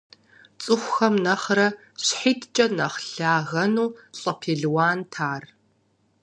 ЦӀыхухэм нэхърэ щхьитӀкӀэ нэхъ лъэгэну лӀы пелуант ар.